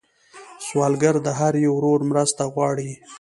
سوالګر د هر یو ورور مرسته غواړي